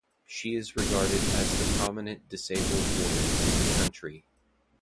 She is regarded as the prominent disabled woman in the country.